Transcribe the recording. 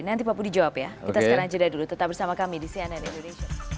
nanti papu dijawab ya kita sekarang jeda dulu tetap bersama kami di cnn indonesia